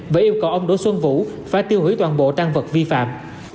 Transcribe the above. và yêu cầu ông đỗ xuân vũ phải tiêu hủy toàn bộ tan vật vi phạm